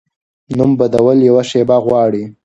نوم بدول یوه شیبه غواړي.